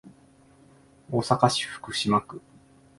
大阪市福島区